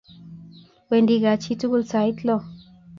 Wendi kaa chi tukul sait lo